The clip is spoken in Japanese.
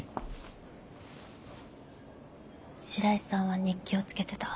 白井さんは日記をつけてた。